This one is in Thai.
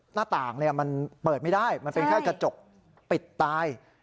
หน้าต่างมันเปิดไม่ได้มันเป็นแค่กระจกปิดตาย